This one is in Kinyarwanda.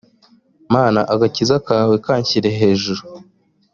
mana agakiza kawe kanshyire hejuru